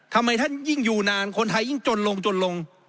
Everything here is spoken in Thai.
ทำไมท่านยิ่งอยู่นานคนไทยยิ่งจนลงจนลง